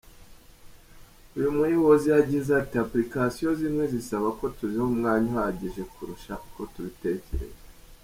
Uyu muyobozi yagize ati “Applications zimwe zisaba ko tuziha umwanya uhagije kurusha uko tubitekereza.